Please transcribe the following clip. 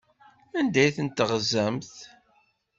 Anda ay tent-teɣzamt?